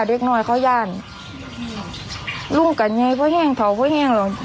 เด็กน้อยเขาย่านลุงกันไงก็แห้งเขาก็แย่งเรา